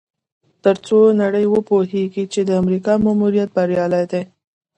تر څو نړۍ وپوهیږي چې د امریکا ماموریت بریالی دی.